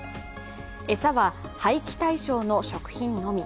餌は廃棄対象の食品のみ。